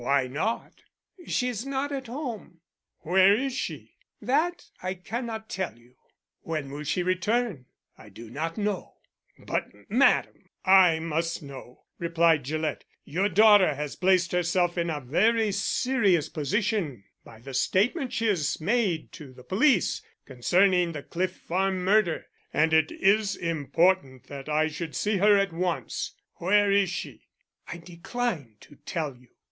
"Why not?" "She is not at home." "Where is she?" "That I cannot tell you." "When will she return?" "I do not know." "But, madam, I must know," replied Gillett. "Your daughter has placed herself in a very serious position by the statement she made to the police concerning the Cliff Farm murder, and it is important that I should see her at once. Where is she?" "I decline to tell you."